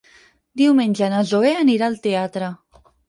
Diumenge na Zoè anirà al teatre.